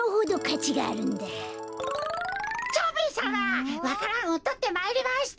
蝶兵衛さまわか蘭をとってまいりました。